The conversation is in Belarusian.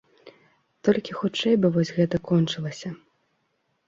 Толькі хутчэй бы вось гэта кончылася.